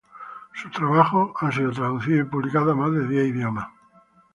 Sus trabajos han sido traducidos y publicados a más de diez idiomas.